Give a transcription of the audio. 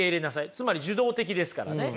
つまり受動的ですからね。